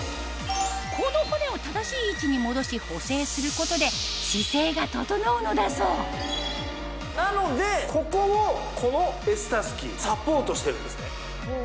この骨を正しい位置に戻し補整することで姿勢が整うのだそうなのでここをこのＳ襷サポートしてるんですね。